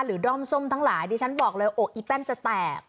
ด้อมส้มทั้งหลายดิฉันบอกเลยอกอีแป้นจะแตก